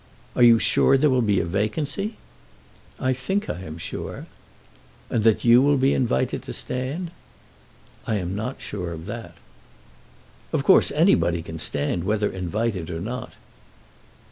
"Are you sure there will be a vacancy?" "I think I am sure." "And that you will be invited to stand?" "I am not sure of that." "Of course anybody can stand whether invited or not."